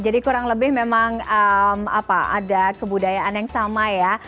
jadi kurang lebih memang apa ada kebudayaan yang sama ya